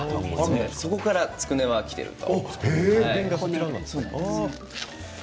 そこからつくねはきているんです。